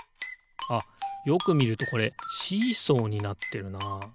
あっよくみるとこれシーソーになってるな。